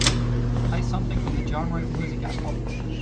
Play something from the genre muzyka pop